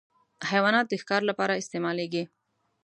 حیوانات د ښکار لپاره استعمالېږي.